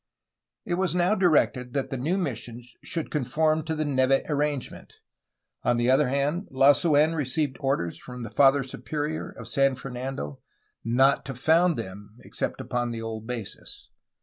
It was now directed that the new mis sions should conform to the Neve arrangement. On the other hand Lasu6n received orders from the Father Superior of San Fernando not to found them except upon the old basis.